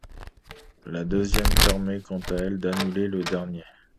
La deuxième permet quant à elle d'annuler le dernier '.